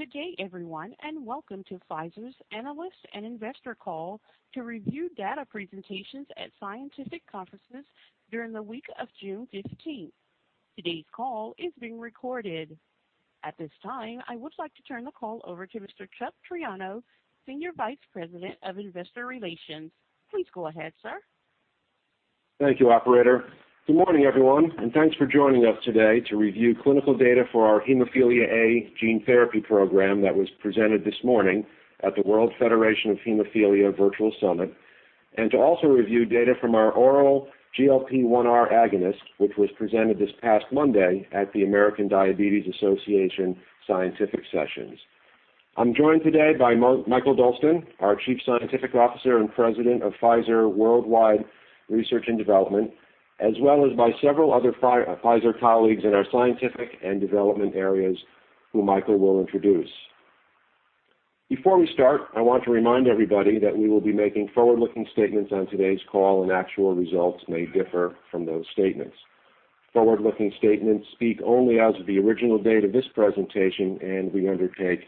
Good day, everyone. Welcome to Pfizer's Analyst and Investor Call to review data presentations at scientific conferences during the week of June 15th, 2020. Today's call is being recorded. At this time, I would like to turn the call over to Mr. Chuck Triano, Senior Vice President, Investor Relations. Please go ahead, sir. Thank you, operator. Good morning, everyone, thanks for joining us today to review clinical data for our hemophilia A gene therapy program that was presented this morning at the World Federation of Hemophilia Virtual Summit, to also review data from our oral GLP-1R agonist, which was presented this past Monday at the American Diabetes Association Scientific Sessions. I'm joined today by Mikael Dolsten, our Chief Scientific Officer and President of Pfizer Worldwide Research and Development, as well as by several other Pfizer colleagues in our scientific and development areas, who Mikael will introduce. Before we start, I want to remind everybody that we will be making forward-looking statements on today's call and actual results may differ from those statements. Forward-looking statements speak only as of the original date of this presentation, we undertake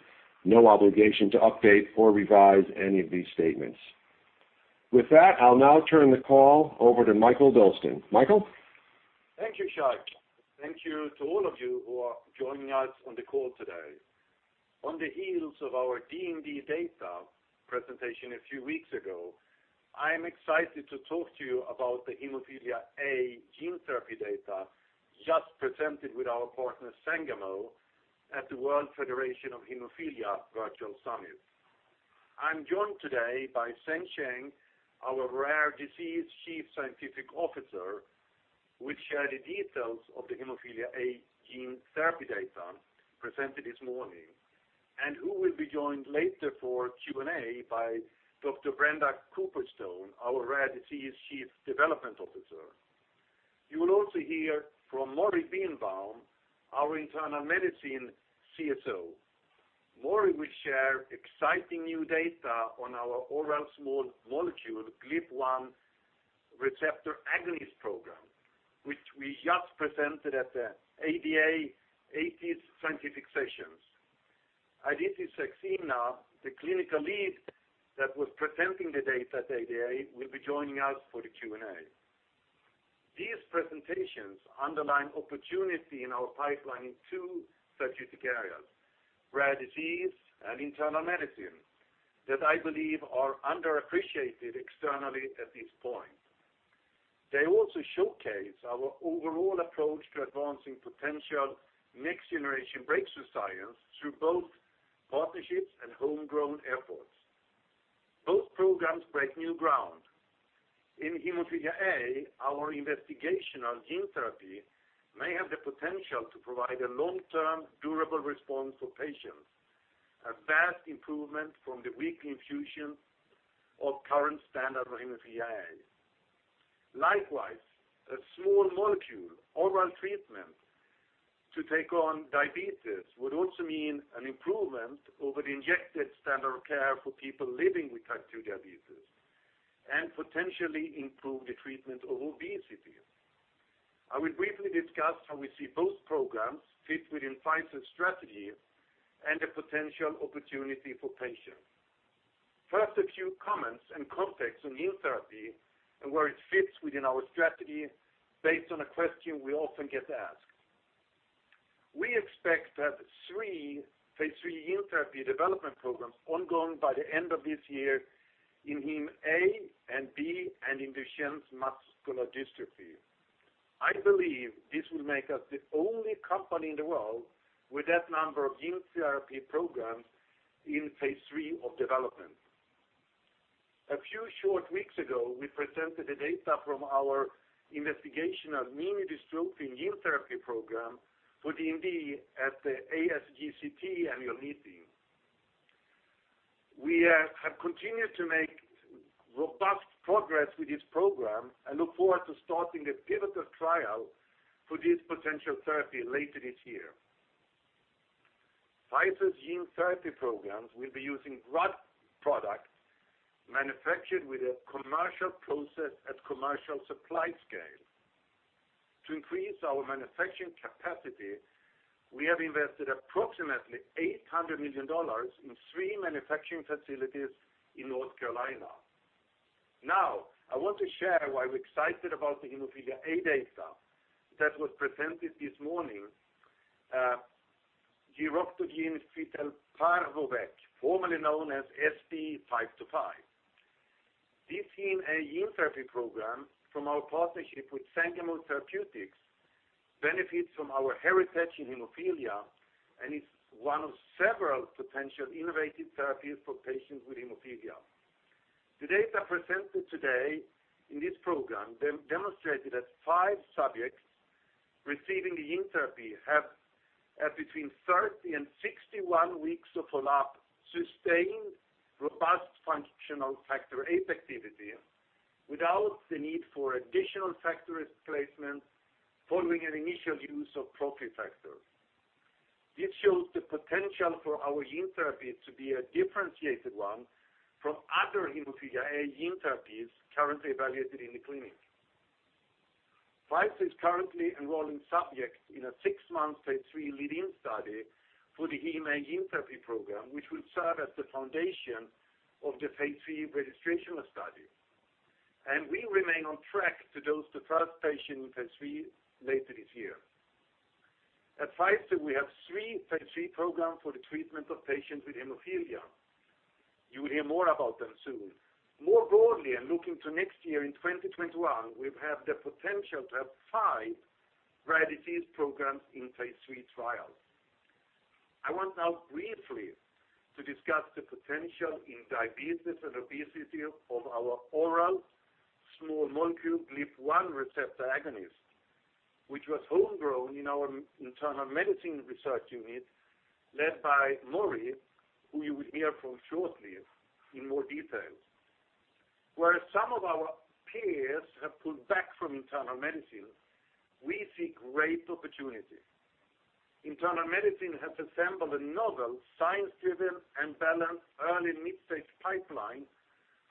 no obligation to update or revise any of these statements. With that, I'll now turn the call over to Mikael Dolsten. Mikael? Thank you, Chuck. Thank you to all of you who are joining us on the call today. On the heels of our DMD data presentation a few weeks ago, I am excited to talk to you about the hemophilia A gene therapy data just presented with our partner, Sangamo, at the World Federation of Hemophilia Virtual Summit. I'm joined today by Seng Cheng, our Rare Disease Chief Scientific Officer, will share the details of the hemophilia A gene therapy data presented this morning, and who will be joined later for Q&A by Dr. Brenda Cooperstone, our Rare Disease Chief Development Officer. You will also hear from Mori Birnbaum, our Internal Medicine CSO. Mori will share exciting new data on our oral small molecule GLP-1 receptor agonist program, which we just presented at the ADA 80th Scientific Sessions. Aditi Saxena, the clinical lead that was presenting the data at ADA, will be joining us for the Q&A. These presentations underline opportunity in our pipeline in two therapeutic areas, rare disease and internal medicine, that I believe are underappreciated externally at this point. They also showcase our overall approach to advancing potential next-generation breakthrough science through both partnerships and homegrown efforts. Both programs break new ground. In hemophilia A, our investigational gene therapy may have the potential to provide a long-term, durable response for patients, a vast improvement from the weekly infusions of current standard for hemophilia A. Likewise, a small molecule oral treatment to take on diabetes would also mean an improvement over the injected standard of care for people living with type 2 diabetes and potentially improve the treatment of obesity. I will briefly discuss how we see both programs fit within Pfizer's strategy and the potential opportunity for patients. First, a few comments and context on gene therapy and where it fits within our strategy based on a question we often get asked. We expect phase III gene therapy development programs ongoing by the end of this year in hem A and B and in Duchenne muscular dystrophy. I believe this will make us the only company in the world with that number of gene phase III of development. a few short weeks ago, we presented the data from our investigational minidystrophin gene therapy program for DMD at the ASGCT annual meeting. We have continued to make robust progress with this program and look forward to starting a pivotal trial for this potential therapy later this year. Pfizer's gene therapy programs will be using drug products manufactured with a commercial process at commercial supply scale. To increase our manufacturing capacity, we have invested approximately $800 million in three manufacturing facilities in North Carolina. Now, I want to share why we're excited about the hemophilia A data that was presented this morning, giroctocogene fitelparvovec, formerly known as SB-525. This hem A gene therapy program from our partnership with Sangamo Therapeutics benefits from our heritage in hemophilia and is one of several potential innovative therapies for patients with hemophilia. The data presented today in this program demonstrated that five subjects receiving the gene therapy have at between 30 and 61 weeks of follow-up, sustained robust functional Factor VIII activity without the need for additional factor replacement following an initial use of prophylactic factor. This shows the potential for our gene therapy to be a differentiated one from other hemophilia A gene therapies currently evaluated in the clinic. Pfizer is currently enrolling subjects phase III lead-in study for the hem A gene therapy program, which will serve as the phase III registrational study. we remain on track to dose the phase III later this year. At Pfizer, phase III programs for the treatment of patients with hemophilia. You will hear more about them soon. More broadly, and looking to next year, in 2021, we have the potential to have five rare disease programs phase III trials. I want now briefly to discuss the potential in diabetes and obesity of our oral small molecule GLP-1 receptor agonist, which was homegrown in our Internal Medicine Research Unit led by Mori, who you will hear from shortly in more detail. Whereas some of our peers have pulled back from internal medicine, we see great opportunity. Internal Medicine has assembled a novel, science-driven and balanced early mid-stage pipeline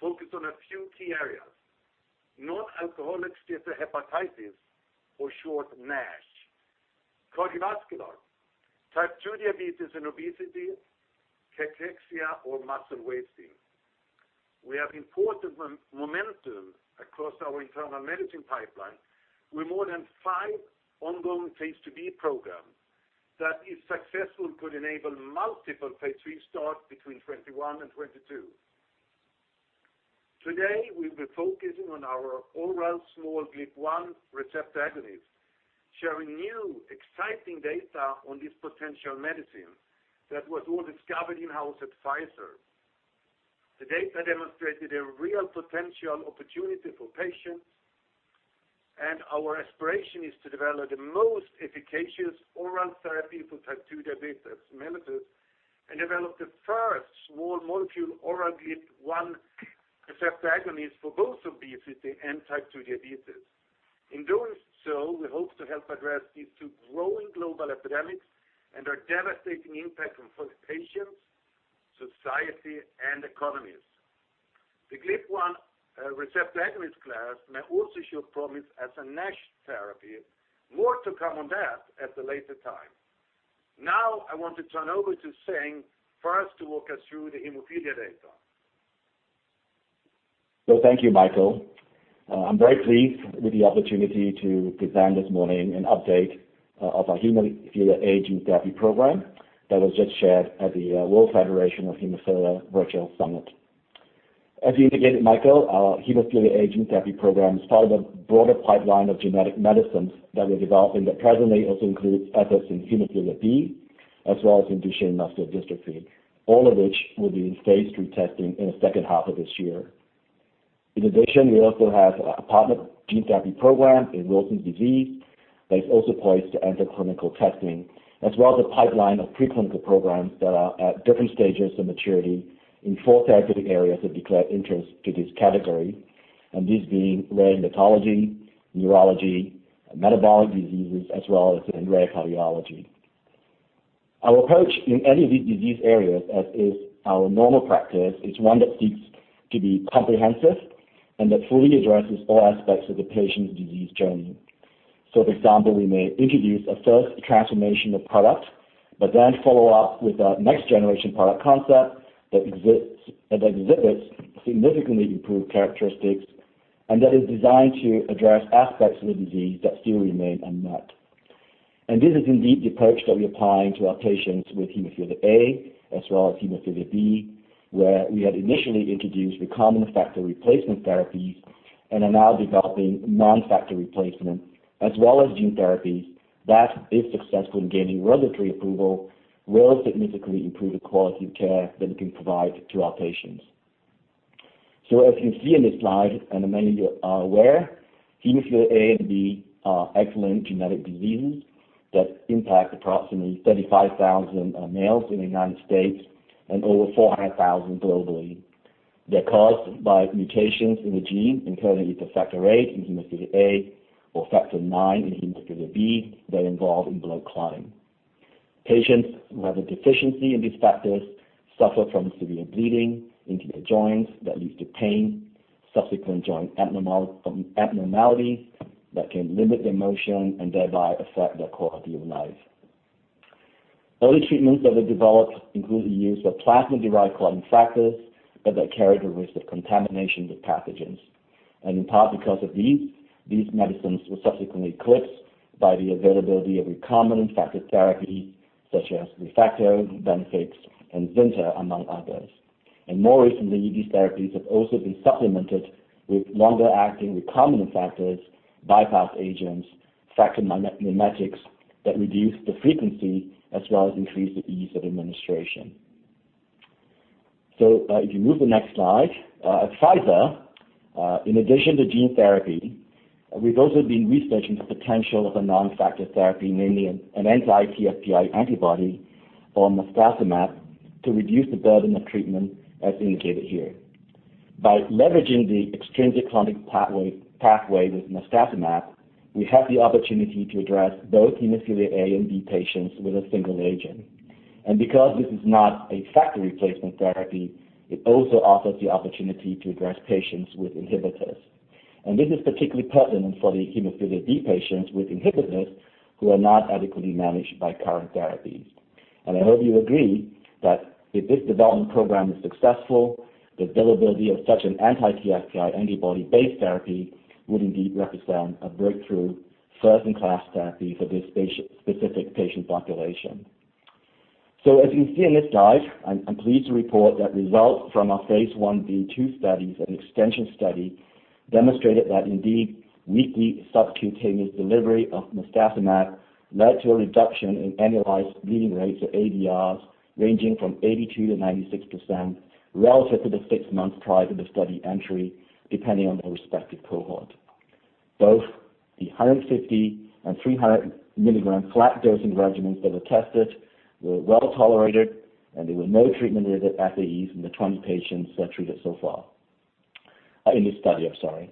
focused on a few key areas. Nonalcoholic steatohepatitis, for short NASH, cardiovascular, type 2 diabetes and obesity, cachexia or muscle wasting. We have important momentum across our Internal Medicine pipeline with more than five phase II-b programs that, if successful, phase III starts between 2021 and 2022. Today, we'll be focusing on our oral small GLP-1 receptor agonist, sharing new, exciting data on this potential medicine that was all discovered in-house at Pfizer. The data demonstrated a real potential opportunity for patients, our aspiration is to develop the most efficacious oral therapy for type 2 diabetes mellitus and develop the first small molecule oral GLP-1 receptor agonist for both obesity and type 2 diabetes. In doing so, we hope to help address these two growing global epidemics and their devastating impact on patients, society, and economies. The GLP-1 receptor agonist class may also show promise as a NASH therapy. More to come on that at a later time. I want to turn over to Seng for us to walk us through the hemophilia data. Thank you, Mikael. I'm very pleased with the opportunity to present this morning an update of our hemophilia gene therapy program that was just shared at the World Federation of Hemophilia Virtual Summit. As you indicated, Mikael, our hemophilia gene therapy program is part of a broader pipeline of genetic medicines that we're developing that presently also includes efforts in hemophilia B, as well as in Duchenne muscular dystrophy, all of which phase III testing in the second half of this year. In addition, we also have a partner gene therapy program in Wilson's disease that is also poised to enter clinical testing, as well as a pipeline of preclinical programs that are at different stages of maturity in four therapeutic areas of declared interest to this category, and these being rare dermatology, neurology, metabolic diseases, as well as in rare cardiology. Our approach in any of these disease areas, as is our normal practice, is one that seeks to be comprehensive and that fully addresses all aspects of the patient's disease journey. For example, we may introduce a first transformational product, but then follow up with a next-generation product concept that exhibits significantly improved characteristics and that is designed to address aspects of the disease that still remain unmet. This is indeed the approach that we're applying to our patients with hemophilia A as well as hemophilia B, where we had initially introduced recombinant factor replacement therapies and are now developing non-factor replacement, as well as gene therapies that, if successful in gaining regulatory approval, will significantly improve the quality of care that we can provide to our patients. As you can see in this slide, and many of you are aware, hemophilia A and B are X-linked genetic diseases that impact approximately 35,000 males in the U.S. and over 400,000 globally. They're caused by mutations in the gene encoding either Factor VIII in hemophilia A or factor IX in hemophilia B that are involved in blood clotting. Patients who have a deficiency in these factors suffer from severe bleeding into their joints that leads to pain, subsequent joint abnormalities that can limit their motion and thereby affect their quality of life. Early treatments that were developed include the use of plasma-derived clotting factors, but they carried the risk of contamination with pathogens. In part because of these medicines were subsequently eclipsed by the availability of recombinant factor therapy, such as ReFacto, BeneFIX, and Xyntha, among others. More recently, these therapies have also been supplemented with longer-acting recombinant factors, bypass agents, factor mimetics that reduce the frequency as well as increase the ease of administration. If you move to the next slide. At Pfizer, in addition to gene therapy, we've also been researching the potential of a non-factor therapy, namely an anti-TFPI antibody or marstacimab, to reduce the burden of treatment as indicated here. By leveraging the extrinsic clotting pathway with marstacimab, we have the opportunity to address both hemophilia A and B patients with a single agent. Because this is not a factor replacement therapy, it also offers the opportunity to address patients with inhibitors. This is particularly pertinent for the hemophilia B patients with inhibitors who are not adequately managed by current therapies. I hope you agree that if this development program is successful, the availability of such an anti-TFPI antibody-based therapy would indeed represent a breakthrough first-in-class therapy for this specific patient population. As you see in this slide, I'm pleased to report that results from our Phase I-B/II studies and extension study demonstrated that indeed, weekly subcutaneous delivery of marstacimab led to a reduction in annualized bleeding rates of ABRs ranging from 82%-96% relative to the six months prior to the study entry, depending on the respective cohort. Both the 150 and 300 mg flat dosing regimens that were tested were well-tolerated, and there were no treatment-related SAEs in the 20 patients that are treated so far. In this study, I'm sorry.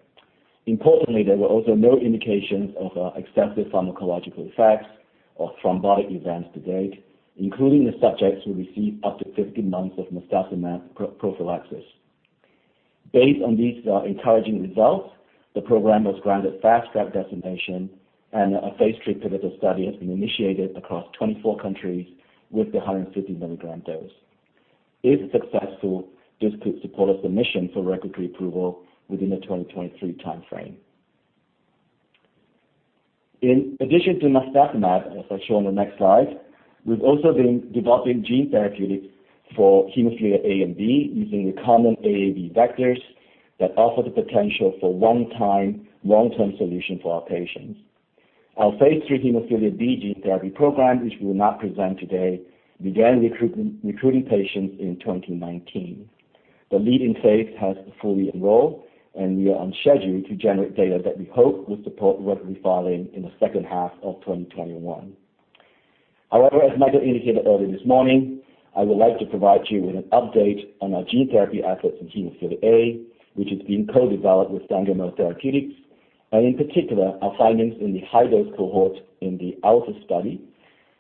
Importantly, there were also no indications of excessive pharmacological effects or thrombotic events to date, including the subjects who received up to 15 months of marstacimab prophylaxis. Based on these encouraging results, the program was granted Fast Track phase III pivotal study has been initiated across 24 countries with the 150 mg dose. If successful, this could support a submission for regulatory approval within the 2023 timeframe. In addition to marstacimab, as I show on the next slide, we've also been developing gene therapeutics for hemophilia A and B using the common AAV vectors that offer the potential for one-time, long-term solution for phase III hemophilia b gene therapy program, which we will not present today, began recruiting patients in 2019. The lead-in phase has fully enrolled. We are on schedule to generate data that we hope will support regulatory filing in the second half of 2021. However, as Mikael indicated earlier this morning, I would like to provide you with an update on our gene therapy efforts in hemophilia A, which is being co-developed with Sangamo Therapeutics, and in particular, our findings in the high-dose cohort in the Alta study.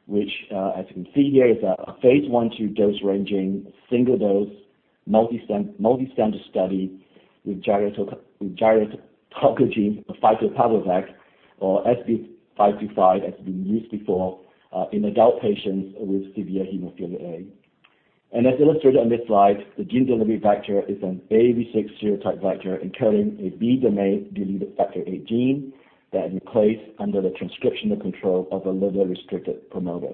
Which, as you can see here, is a phase I/II dose-ranging, single-dose, multi-center study with giroctocogene fitelparvovec or SB-525, as it's been used before in adult patients with severe hemophilia A. As illustrated on this slide, the gene delivery vector is an AAV6 serotype vector encoding a B-domain deleted Factor VIII that replaced under the transcriptional control of a liver-restricted promoter.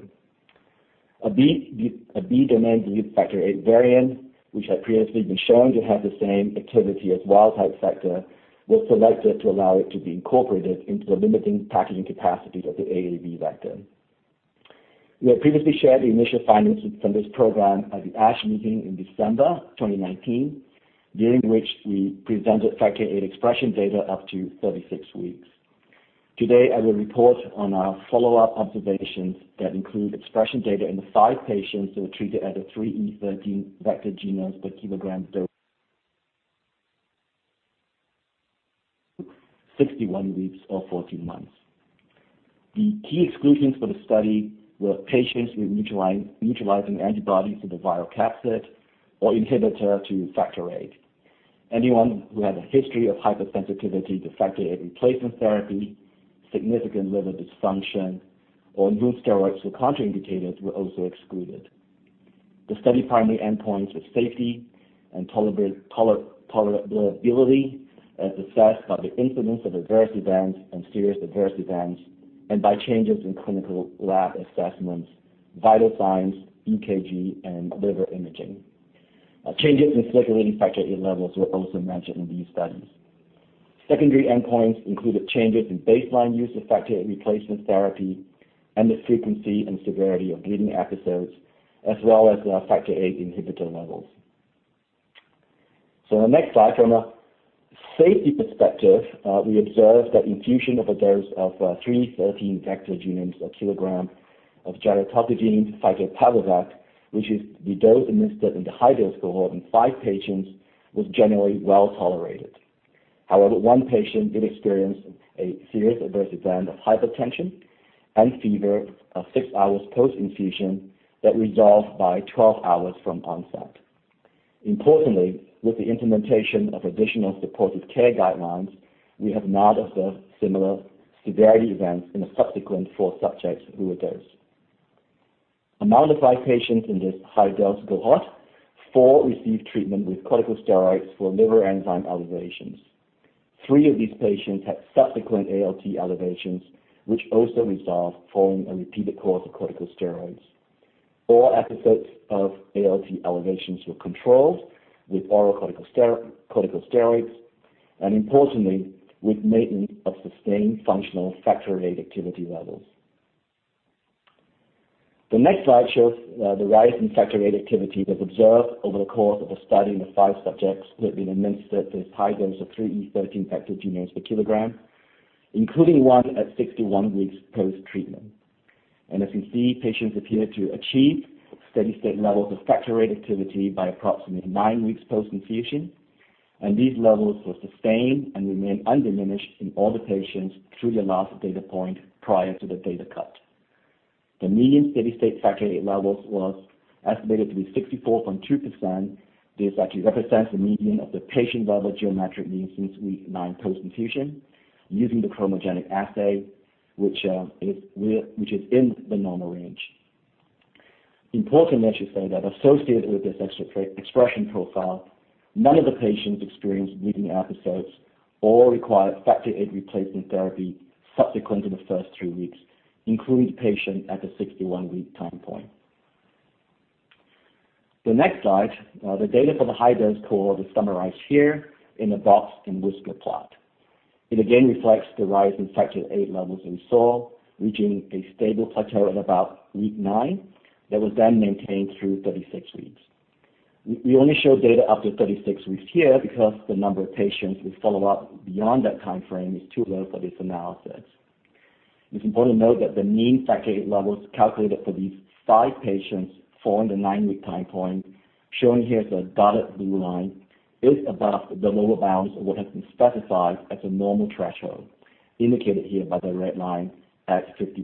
A B-domain deleted Factor VIII variant, which had previously been shown to have the same activity as wild-type factor, was selected to allow it to be incorporated into the limiting packaging capacities of the AAV vector. We have previously shared the initial findings from this program at the ASH meeting in December 2019, during which we presented Factor VIII expression data up to 36 weeks. Today, I will report on our follow-up observations that include expression data in the five patients who were treated at a 3E13 vector genomes per kilogram dose 61 weeks or 14 months. The key exclusions for the study were patients with neutralizing antibodies to the viral capsid or inhibitor to Factor VIII. Anyone who had a history of hypersensitivity to Factor VIII replacement therapy, significant liver dysfunction, or whose steroids were contraindicated were also excluded. The study primary endpoints were safety and tolerability, as assessed by the incidence of adverse events and serious adverse events, and by changes in clinical lab assessments, vital signs, EKG, and liver imaging. Changes in circulating Factor VIII levels were also mentioned in these studies. Secondary endpoints included changes in baseline use of Factor VIII replacement therapy and the frequency and severity of bleeding episodes, as well as Factor VIII inhibitor levels. On the next slide, from a safety perspective, we observed that infusion of a dose of 3E13 vector genomes a kilogram of giroctocogene fitelparvovec, which is the dose administered in the high-dose cohort in five patients, was generally well-tolerated. However, one patient did experience a serious adverse event of hypertension and fever of six hours post-infusion that resolved by 12 hours from onset. Importantly, with the implementation of additional supportive care guidelines, we have not observed similar severity events in the subsequent four subjects who were dosed. Among the five patients in this high-dose cohort, four received treatment with corticosteroids for liver enzyme elevations. Three of these patients had subsequent ALT elevations, which also resolved following a repeated course of corticosteroids. All episodes of ALT elevations were controlled with oral corticosteroids, and importantly, with maintenance of sustained functional Factor VIII activity levels. The next slide shows the rise in Factor VIII activity that was observed over the course of the study in the five subjects who had been administered this high dose of 3E13 vector genomes per kilogram, including one at 61 weeks post-treatment. As you can see, patients appeared to achieve steady-state levels of Factor VIII activity by approximately nine weeks post-infusion. These levels were sustained and remained undiminished in all the patients through the last data point prior to the data cut. The median steady-state Factor VIII levels was estimated to be 64.2%. This actually represents the median of the patient-level geometric means since week nine post-infusion using the chromogenic assay, which is in the normal range. Important, I should say, that associated with this expression profile, none of the patients experienced bleeding episodes or required Factor VIII replacement therapy subsequent in the first three weeks, including the patient at the 61-week time point. The next slide, the data for the high-dose cohort is summarized here in a box and whisker plot. It again reflects the rise in Factor VIII levels we saw, reaching a stable plateau at about week nine that was then maintained through 36 weeks. We only show data up to 36 weeks here because the number of patients with follow-up beyond that timeframe is too low for this analysis. It's important to note that the mean Factor VIII levels calculated for these five patients for the nine-week time point, shown here as a dotted blue line, is above the lower bounds of what has been specified as a normal threshold, indicated here by the red line at 50%.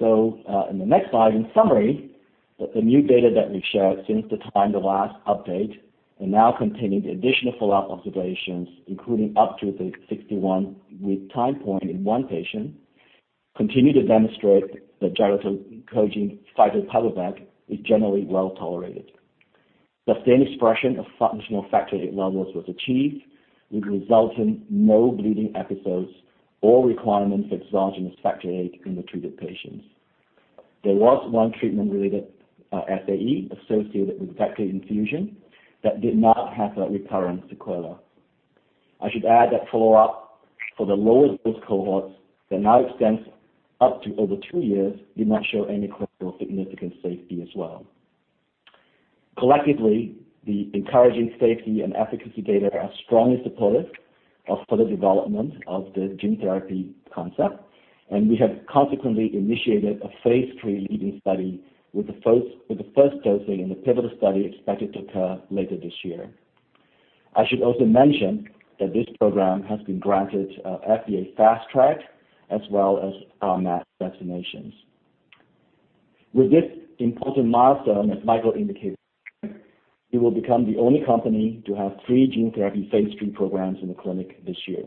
In the next slide, in summary, the new data that we've showed since the time of the last update and now containing the additional follow-up observations, including up to the 61-week time point in one patient, continue to demonstrate that gene encoding Factor VIII is generally well-tolerated. Sustained expression of functional Factor VIII levels was achieved, which resulted in no bleeding episodes or requirement for exogenous Factor VIII in the treated patients. There was one treatment-related SAE associated with Factor VIII infusion that did not have a recurrent sequela. I should add that follow-up for the lower dose cohorts that now extends up to over two years did not show any clinical significance safety as well. Collectively, the encouraging safety and efficacy data are strongly supportive of further development of the gene therapy concept, and we have phase III leading study with the first dosing in the pivotal study expected to occur later this year. I should also mention that this program has been granted FDA Fast Track as well as our RMAT designation. With this important milestone, as Mikael indicated, we will become the only company to have phase III programs in the clinic this year.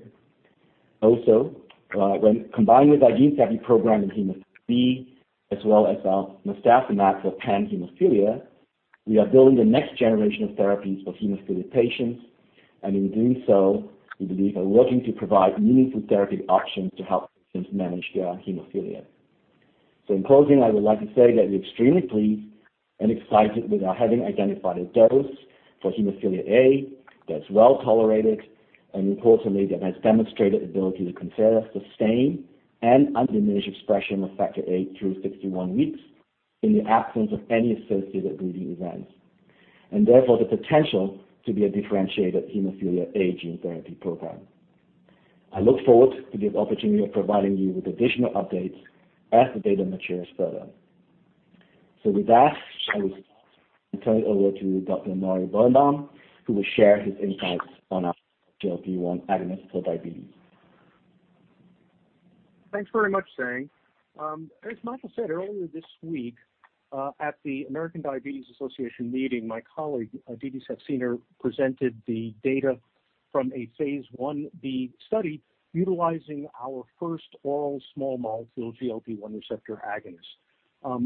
When combined with our gene therapy program in hemophilia B, as well as our marstacimab for panhemophilia, we are building the next generation of therapies for hemophilia patients. In doing so, we believe are working to provide meaningful therapeutic options to help patients manage their hemophilia. In closing, I would like to say that we're extremely pleased and excited with our having identified a dose for hemophilia A that's well-tolerated and importantly, that has demonstrated ability to consider sustained and undiminished expression of Factor VIII through 61 weeks in the absence of any associated bleeding events, and therefore the potential to be a differentiated hemophilia A gene therapy program. I look forward to the opportunity of providing you with additional updates as the data matures further. With that, I will turn it over to Dr. Mori Birnbaum, who will share his insights on our GLP-1 agonist for diabetes. Thanks very much, Seng. As Mikael said earlier this week, at the American Diabetes Association meeting, my colleague, Aditi Saxena, presented the data from a phase I-B study utilizing our first oral small molecule GLP-1 receptor agonist.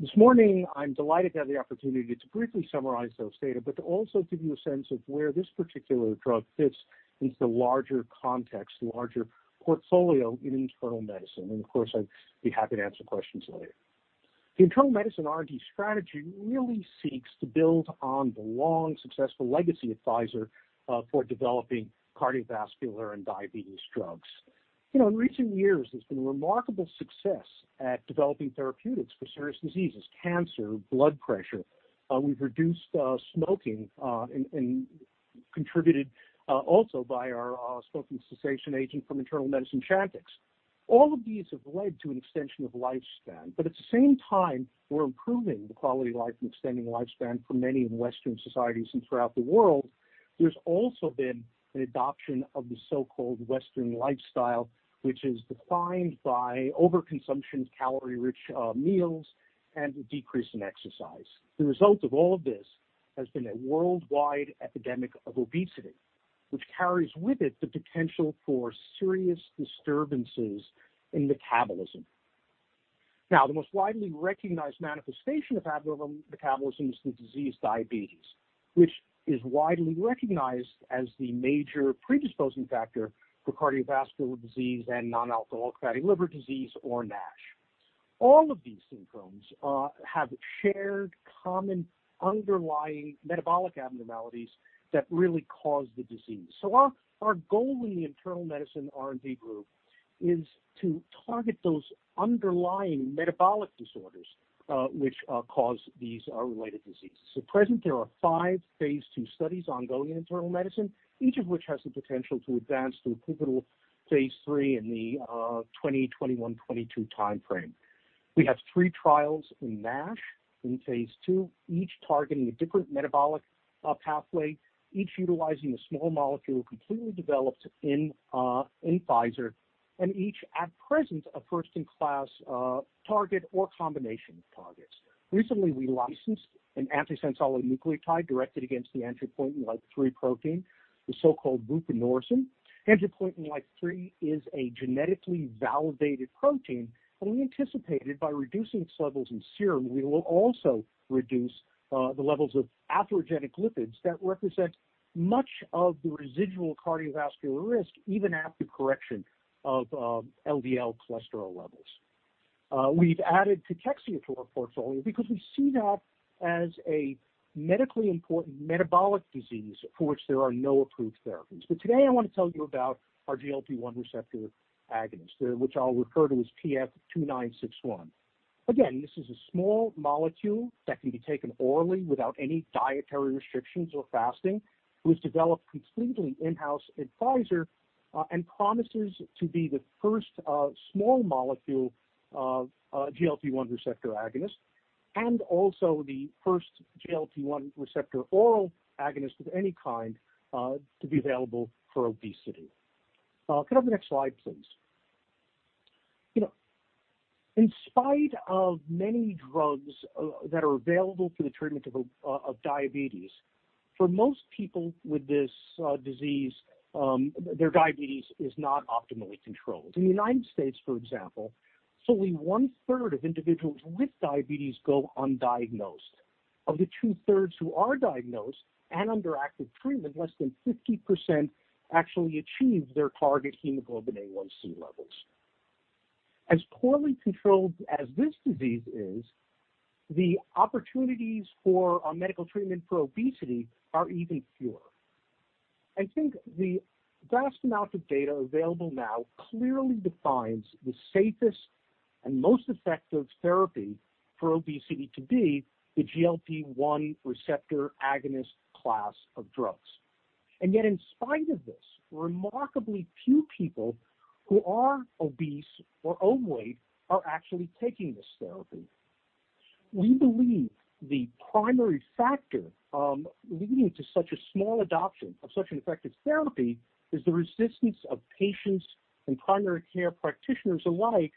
This morning, I'm delighted to have the opportunity to briefly summarize those data, to also give you a sense of where this particular drug fits into the larger context, larger portfolio in Internal Medicine. Of course, I'd be happy to answer questions later. The Internal Medicine R&D strategy really seeks to build on the long successful legacy at Pfizer for developing cardiovascular and diabetes drugs. In recent years, there's been remarkable success at developing therapeutics for serious diseases, cancer, blood pressure. We've reduced smoking and contributed also by our smoking cessation agent from Internal Medicine, Chantix. All of these have led to an extension of lifespan, but at the same time, we're improving the quality of life and extending lifespan for many in Western societies and throughout the world. There's also been an adoption of the so-called Western lifestyle, which is defined by overconsumption of calorie-rich meals and a decrease in exercise. The result of all of this has been a worldwide epidemic of obesity, which carries with it the potential for serious disturbances in metabolism. Now, the most widely recognized manifestation of abnormal metabolism is the disease diabetes, which is widely recognized as the major predisposing factor for cardiovascular disease and non-alcoholic fatty liver disease or NASH. All of these symptoms have shared common underlying metabolic abnormalities that really cause the disease. Our goal in the Internal Medicine R&D group is to target those underlying metabolic disorders which cause these related diseases. At present, there are phase II studies ongoing in internal medicine, each of which has the potential to phase III in the 2021/2022 timeframe. We have three trials in NASH phase II, each targeting a different metabolic pathway, each utilizing a small molecule completely developed in Pfizer, and each at present, a first-in-class target or combination of targets. Recently, we licensed an antisense oligonucleotide directed against the angiopoietin-like 3 protein, the so-called vupanorsen. Angiopoietin-like 3 is a genetically validated protein, and we anticipated by reducing its levels in serum, we will also reduce the levels of atherogenic lipids that represent much of the residual cardiovascular risk, even after correction of LDL cholesterol levels. We've added cachexia to our portfolio because we see that as a medically important metabolic disease for which there are no approved therapies. Today, I want to tell you about our GLP-1 receptor agonist, which I'll refer to as PF-2961. Again, this is a small molecule that can be taken orally without any dietary restrictions or fasting. It was developed completely in-house at Pfizer and promises to be the first small molecule of GLP-1 receptor agonist, and also the first GLP-1 receptor oral agonist of any kind to be available for obesity. Could I have the next slide, please? In spite of many drugs that are available for the treatment of diabetes, for most people with this disease, their diabetes is not optimally controlled. In the U.S., for example, fully one-third of individuals with diabetes go undiagnosed. Of the two-thirds who are diagnosed and under active treatment, less than 50% actually achieve their target hemoglobin A1C levels. As poorly controlled as this disease is, the opportunities for medical treatment for obesity are even fewer. I think the vast amount of data available now clearly defines the safest and most effective therapy for obesity to be the GLP-1 receptor agonist class of drugs. In spite of this, remarkably few people who are obese or overweight are actually taking this therapy. We believe the primary factor leading to such a small adoption of such an effective therapy is the resistance of patients and primary care practitioners alike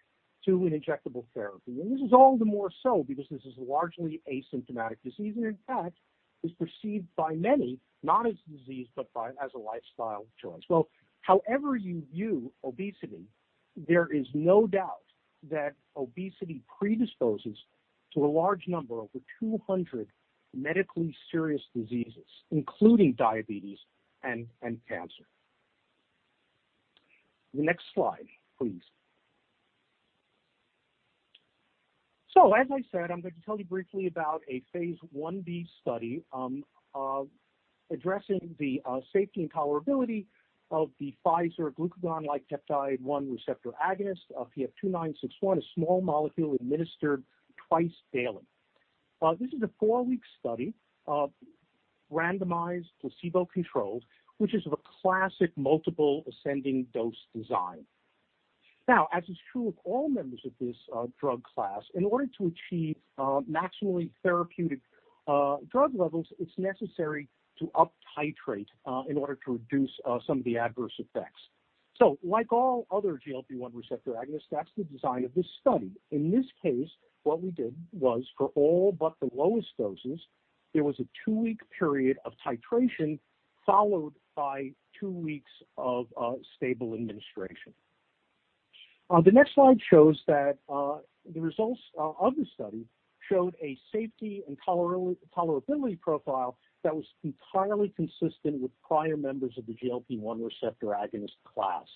to an injectable therapy. This is all the more so because this is a largely asymptomatic disease, and in fact, is perceived by many, not as a disease, but as a lifestyle choice. Well, however you view obesity, there is no doubt that obesity predisposes to a large number, over 200 medically serious diseases, including diabetes and cancer. The next slide, please. As I said, I'm going to tell you briefly about a Phase I-B study addressing the safety and tolerability of the Pfizer glucagon-like peptide 1 receptor agonist, PF-2961, a small molecule administered twice daily. This is a four-week study, randomized, placebo-controlled, which is of a classic multiple ascending dose design. As is true of all members of this drug class, in order to achieve maximally therapeutic drug levels, it's necessary to uptitrate in order to reduce some of the adverse effects. Like all other GLP-1 receptor agonists, that's the design of this study. In this case, what we did was for all but the lowest doses, there was a two-week period of titration followed by two weeks of stable administration. The next slide shows that the results of the study showed a safety and tolerability profile that was entirely consistent with prior members of the GLP-1 receptor agonist class.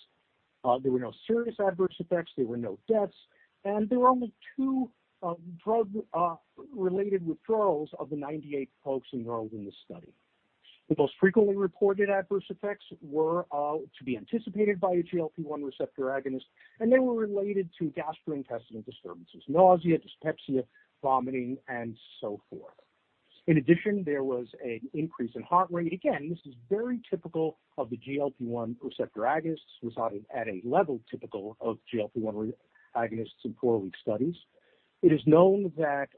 There were no serious adverse effects, there were no deaths, and there were only two drug-related withdrawals of the 98 folks enrolled in the study. The most frequently reported adverse effects were to be anticipated by a GLP-1 receptor agonist, and they were related to gastrointestinal disturbances, nausea, dyspepsia, vomiting, and so forth. In addition, there was an increase in heart rate. Again, this is very typical of the GLP-1 receptor agonists. It was at a level typical of GLP-1 agonists in four-week studies. It is known that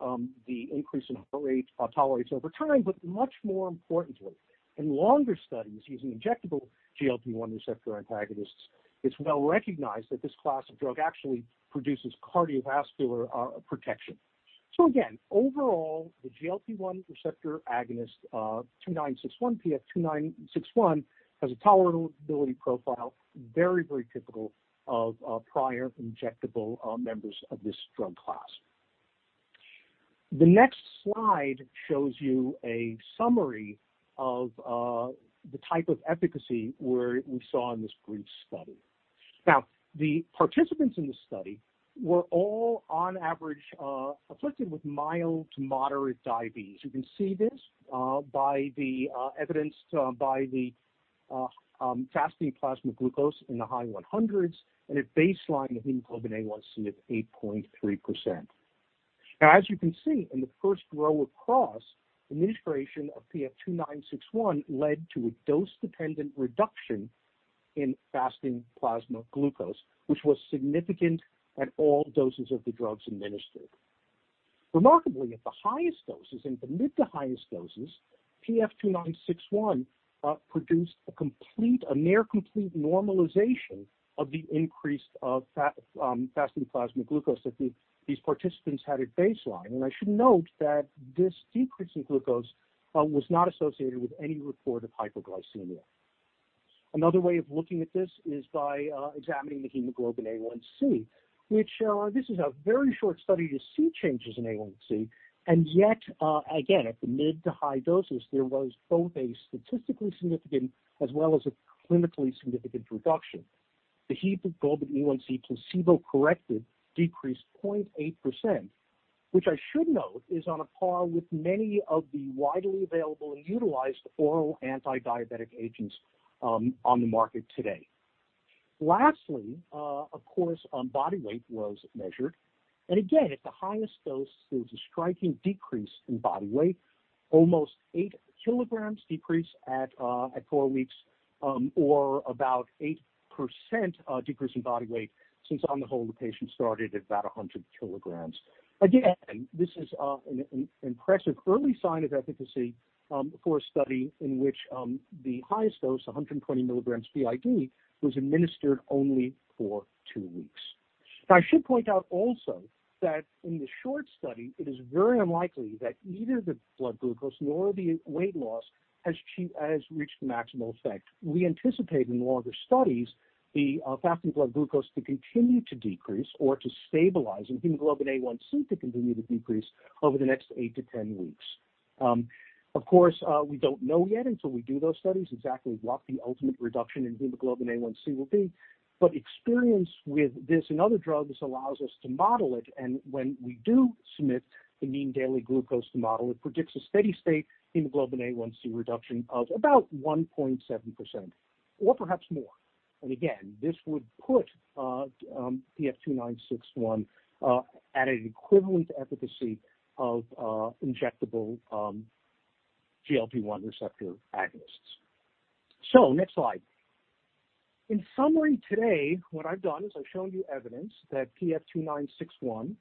the increase in heart rate tolerates over time, but much more importantly, in longer studies using injectable GLP-1 receptor agonists, it's well recognized that this class of drug actually produces cardiovascular protection. Again, overall, the GLP-1 receptor agonist, PF-2961, has a tolerability profile very typical of prior injectable members of this drug class. The next slide shows you a summary of the type of efficacy we saw in this brief study. The participants in the study were all, on average, afflicted with mild to moderate diabetes. You can see this evidenced by the fasting plasma glucose in the high 100s and a baseline of hemoglobin A1C at 8.3%. As you can see in the first row across, administration of PF-2961 led to a dose-dependent reduction in fasting plasma glucose, which was significant at all doses of the drugs administered. Remarkably, at the highest doses and the mid-to-highest doses, PF-2961 produced a near complete normalization of the increase of fasting plasma glucose that these participants had at baseline. I should note that this decrease in glucose was not associated with any report of hypoglycemia. Another way of looking at this is by examining the hemoglobin A1C. This is a very short study to see changes in A1c, and yet, again, at the mid to high doses, there was both a statistically significant as well as a clinically significant reduction. The hemoglobin A1C placebo-corrected decreased 0.8%, which I should note is on a par with many of the widely available and utilized oral anti-diabetic agents on the market today. Lastly, of course, body weight was measured. Again, at the highest dose, there was a striking decrease in body weight, almost eight kilograms decrease at four weeks or about 8% decrease in body weight, since on the whole, the patient started at about 100 kg. This is an impressive early sign of efficacy for a study in which the highest dose, 120 mgs BID, was administered only for two weeks. I should point out also that in the short study, it is very unlikely that neither the blood glucose nor the weight loss has reached maximal effect. We anticipate in longer studies, the fasting blood glucose to continue to decrease or to stabilize and hemoglobin A1C to continue to decrease over the next eight to 10 weeks. Of course, we don't know yet until we do those studies exactly what the ultimate reduction in hemoglobin A1C will be. Experience with this and other drugs allows us to model it. When we do submit the mean daily glucose model, it predicts a steady state hemoglobin A1C reduction of about 1.7% or perhaps more. Again, this would put PF-2961 at an equivalent efficacy of injectable GLP-1 receptor agonists. Next slide. In summary, today, what I've done is I've shown you evidence that PF-2961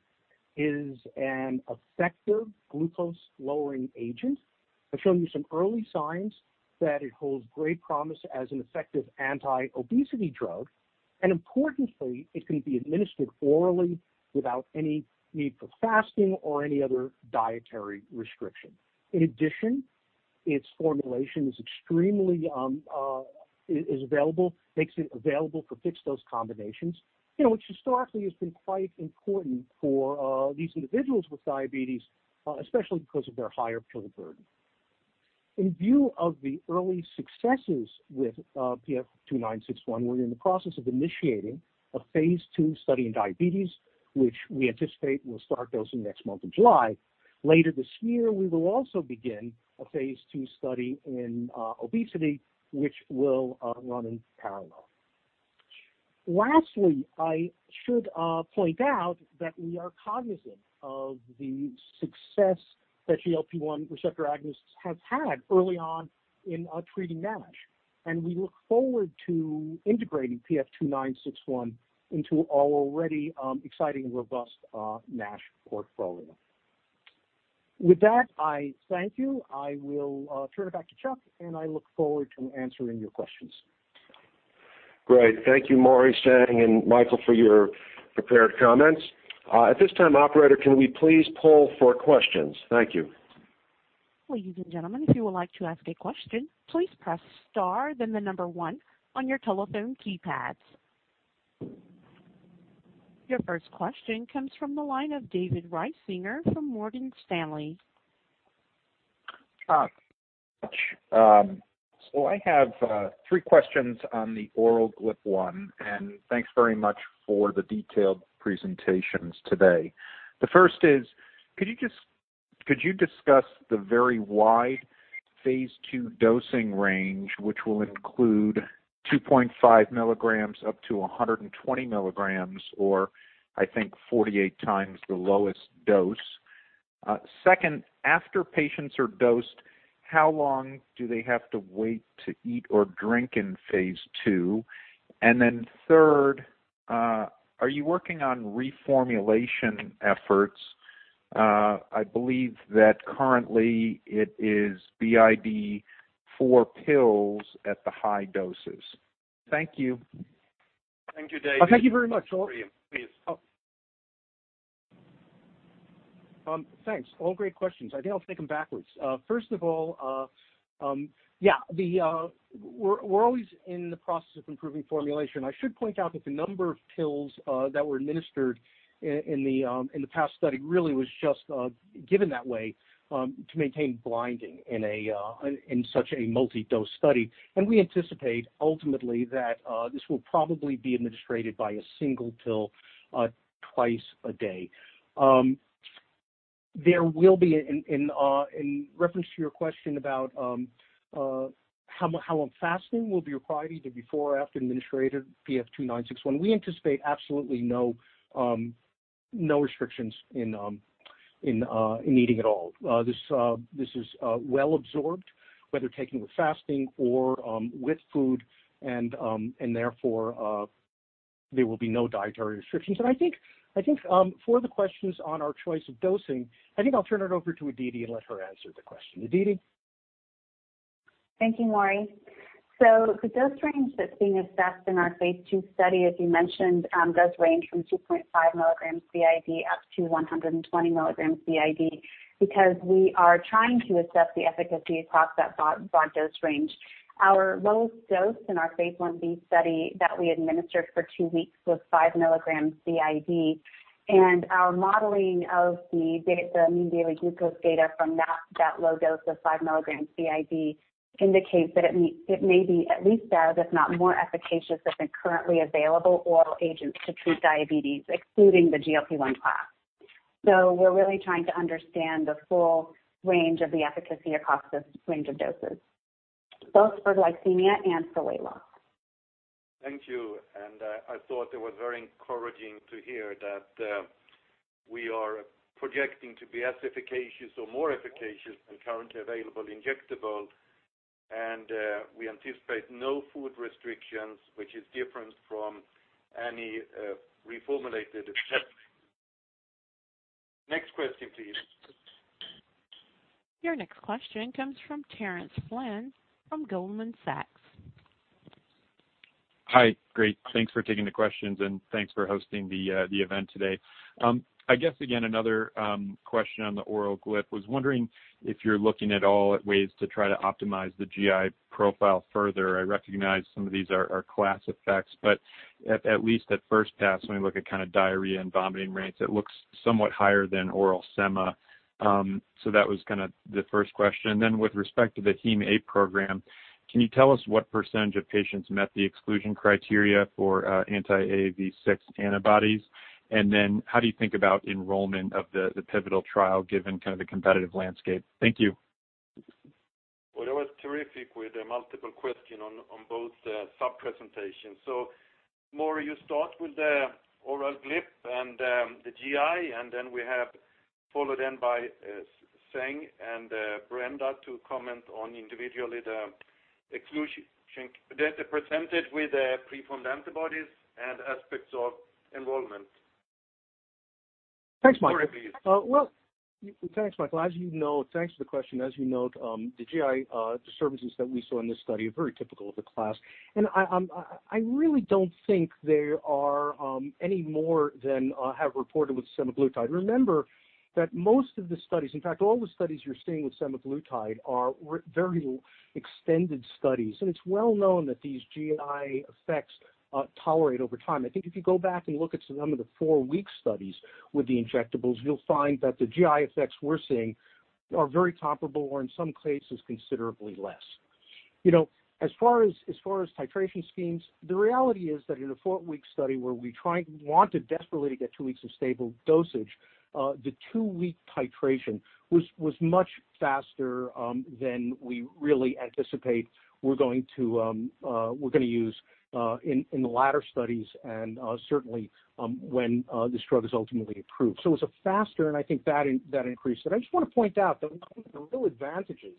is an effective glucose-lowering agent. I've shown you some early signs that it holds great promise as an effective anti-obesity drug. Importantly, it can be administered orally without any need for fasting or any other dietary restriction. In addition, its formulation makes it available for fixed-dose combinations, which historically has been quite important for these individuals with diabetes, especially because of their higher pill burden. In view of the early successes with PF-2961, we're in the process of initiating phase II study in diabetes, which we anticipate will start dosing next month in July. Later this year, we will also begin phase II study in obesity, which will run in parallel. Lastly, I should point out that we are cognizant of the success that GLP-1 receptor agonists have had early on in treating NASH, and we look forward to integrating PF-2961 into our already exciting and robust NASH portfolio. With that, I thank you. I will turn it back to Chuck, and I look forward to answering your questions. Great. Thank you, Mori, Seng, and Mikael for your prepared comments. At this time, operator, can we please poll for questions? Thank you. Ladies and gentlemen, if you would like to ask a question, please press star then the number one on your telephone keypads. Your first question comes from the line of David Risinger from Morgan Stanley. Thanks so much. I have three questions on the oral GLP-1, and thanks very much for the detailed presentations today. The first is, could you discuss the very phase II dosing range, which will include 2.5 mg up to 120 mg or I think 48x the lowest dose? Second, after patients are dosed, how long do they have to wait to eat or drink phase II? third, are you working on reformulation efforts? I believe that currently it is BID four pills at the high doses. Thank you. Thank you, Dave. Please. Thanks. All great questions. I think I'll take them backwards. First of all, yeah, we're always in the process of improving formulation. I should point out that the number of pills that were administered in the past study really was just given that way to maintain blinding in such a multi-dose study. We anticipate ultimately that this will probably be administered by a single pill twice a day. There will be, in reference to your question about how fasting will be a priority to before or after administered PF-2961, we anticipate absolutely no restrictions in eating at all. This is well-absorbed, whether taken with fasting or with food, and therefore, there will be no dietary restrictions. I think for the questions on our choice of dosing, I think I'll turn it over to Aditi and let her answer the question. Aditi? Thank you, Mori. The dose range that's being assessed in phase II study, as you mentioned, does range from 2.5 mg BID up to 120 mg BID because we are trying to assess the efficacy across that broad dose range. Our lowest dose in our phase I-B study that we administered for two weeks was five mgs BID, and our modeling of the mean daily glucose data from that low dose of five mgs BID indicates that it may be at least as, if not more, efficacious as the currently available oral agents to treat diabetes, excluding the GLP-1 class. We're really trying to understand the full range of the efficacy across this range of doses, both for glycemia and for weight loss. Thank you. I thought it was very encouraging to hear that we are projecting to be as efficacious or more efficacious than currently available injectable, and we anticipate no food restrictions, which is different from any reformulated. Next question, please. Your next question comes from Terence Flynn from Goldman Sachs. Hi. Great. Thanks for taking the questions, and thanks for hosting the event today. I guess, again, another question on the oral GLP. I was wondering if you're looking at all ways to try to optimize the GI profile further. I recognize some of these are class effects, but at least at first pass, when we look at diarrhea and vomiting rates, it looks somewhat higher than oral semaglutide. That was the first question. With respect to the heme A program, can you tell us what percentage of patients met the exclusion criteria for anti-AAV6 antibodies? How do you think about enrollment of the pivotal trial given the competitive landscape? Thank you. That was terrific with the multiple question on both sub-presentations. Mori, you start with the oral GLP-1 and the GI, and then we have followed in by Seng and Brenda to comment on individually the exclusion, the presented with pre-formed antibodies and aspects of enrollment. Thanks, Mikael. Thanks for the question. As you note, the GI disturbances that we saw in this study are very typical of the class. I really don't think they are any more than have reported with semaglutide. Remember that most of the studies, in fact, all the studies you're seeing with semaglutide are very extended studies. It's well known that these GI effects tolerate over time. I think if you go back and look at some of the four-week studies with the injectables, you'll find that the GI effects we're seeing are very comparable or in some cases considerably less. As far as titration schemes, the reality is that in a four-week study where we wanted desperately to get two weeks of stable dosage, the two-week titration was much faster than we really anticipate we're going to use in the latter studies and certainly when this drug is ultimately approved. It's faster, and I think that increased it. I just want to point out that one of the real advantages